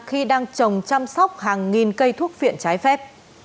khi đang trồng chăm sóc hàng nghìn cây thuốc viện trái phép